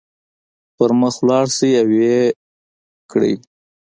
پر مخ لاړ شئ او ويې کړئ.